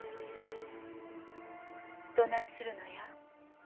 どないするのや？